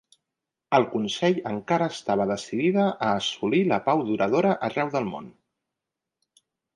El Consell encara estava decidida a assolir la pau duradora arreu del món.